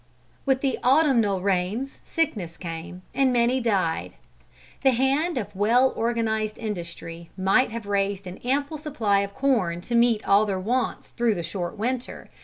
With the autumnal rains sickness came, and many died. The hand of well organised industry might have raised an ample supply of corn to meet all their wants through the short winter.